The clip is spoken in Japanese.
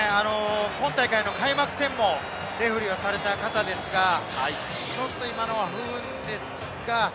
開幕戦もレフェリーをされた方ですが、ちょっと今のは不運でした。